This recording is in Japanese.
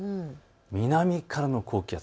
南からの高気圧。